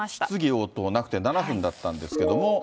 質疑応答はなくて７分だったんですけれども。